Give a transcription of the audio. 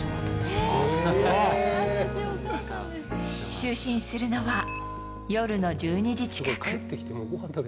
就寝するのは夜の１２時近く。